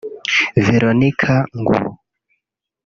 Veronica Ngwu